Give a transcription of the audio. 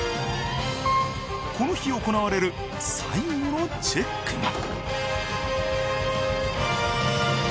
この日行われる最後のチェックが。